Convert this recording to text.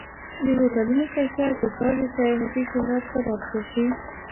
د هوټلونو کیفیت د ښار د سیاحتي شهرت سبب ګرځي.